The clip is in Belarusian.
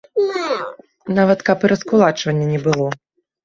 Нават каб і раскулачвання не было!